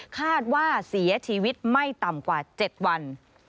คาดว่าเสียชีวิตไม่ต่ำกว่า๗วัน